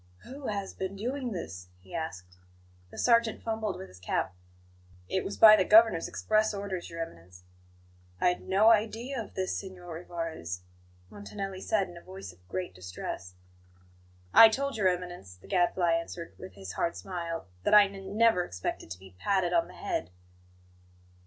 "Who has been doing this?" he asked. The sergeant fumbled with his cap. "It was by the Governor's express orders, Your Eminence." "I had no idea of this, Signor Rivarez," Montanelli said in a voice of great distress. "I told Your Eminence," the Gadfly answered, with his hard smile, "that I n n never expected to be patted on the head."